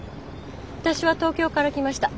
私は東京から来ました。